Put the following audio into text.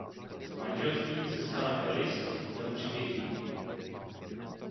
Z manželství se Sarah Ellis měl tři děti.